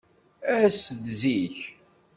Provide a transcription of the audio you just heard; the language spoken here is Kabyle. As-d zik.